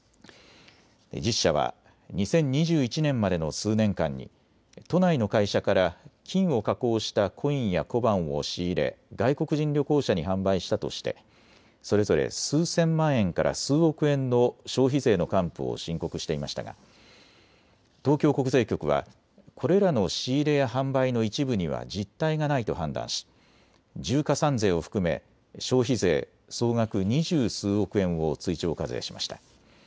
１０社は２０２１年までの数年間に都内の会社から金を加工したコインや小判を仕入れ外国人旅行者に販売したとしてそれぞれ数千万円から数億円の消費税の還付を申告していましたが東京国税局はこれらの仕入れや販売の一部には実態がないと判断し重加算税を含め消費税総額二十数億円を追徴課税しました。